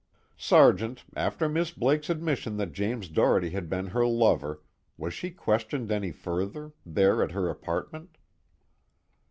"Sergeant, after Miss Blake's admission that James Doherty had been her lover, was she questioned any further, there at her apartment?"